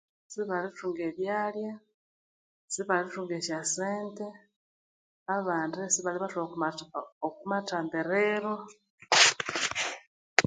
Sibalithunga ebyalya, sobali thunga esya sente nabandi sibalibathwalha okwa mathambiriro.